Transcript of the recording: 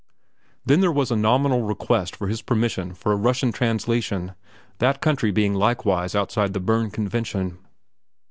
Then there was a nominal request for his permission for a Russian translation, that country being likewise outside the Berne Convention.